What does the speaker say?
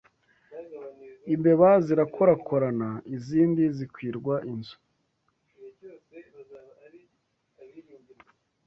Imbeba zirakorakorana izindi zikwirwa inzu